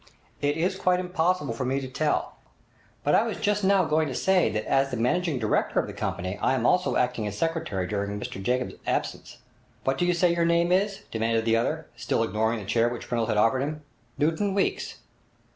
'It is quite impossible for me to tell. But I was just now going to say that as the managing director of the company I am also acting as secretary during Mr Jacobs' absence.' 'What do you say your name is?' demanded the other, still ignoring the chair which Pringle had offered him. 'Newton Weeks.'